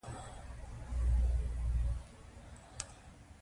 مالي مدیریت ژوند ته نظم ورکوي.